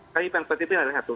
saya ingin mengerti satu